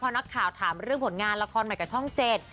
นักข่าวถามเรื่องผลงานละครใหม่กับช่องเจ็ด